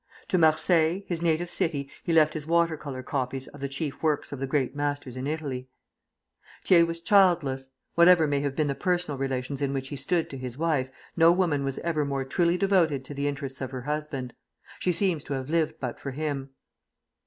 To Marseilles, his native city, he left his water color copies of the chief works of the great masters in Italy. Thiers was childless. Whatever may have been the personal relations in which he stood to his wife, no woman was ever more truly devoted to the interests of her husband. She seems to have lived but for him.